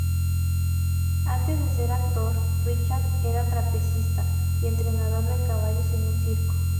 Antes de ser actor Richard era trapecista y entrenador de caballos en un circo.